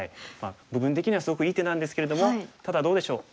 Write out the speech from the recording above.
部分的にはすごくいい手なんですけれどもただどうでしょう